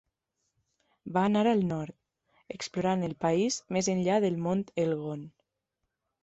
Va anar al nord, explorant el país més enllà del mont Elgon.